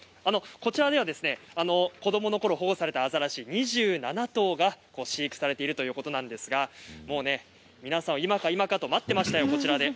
こちらでは子どものころ保護されたアザラシ２７頭が飼育されているということなんですが皆さんを今か今かと待っていましたよ、こちらで。